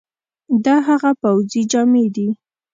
دا هغه پوځي جامي دي،